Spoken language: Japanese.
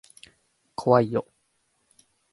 怖いよ。